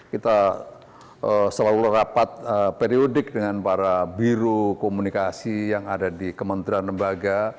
kita selalu rapat periodik dengan para biro komunikasi yang ada di kementerian lembaga